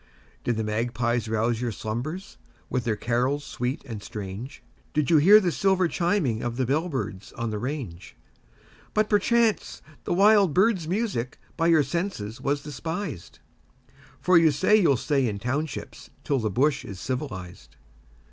Did the magpies rouse your slumbers with their carol sweet and strange? Did you hear the silver chiming of the bell birds on the range? But, perchance, the wild birds' music by your senses was despised, For you say you'll stay in townships till the bush is civilised.